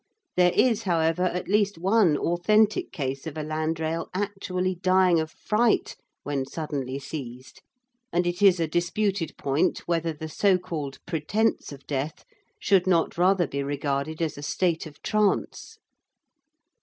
There is, however, at least one authentic case of a landrail actually dying of fright when suddenly seized, and it is a disputed point whether the so called pretence of death should not rather be regarded as a state of trance.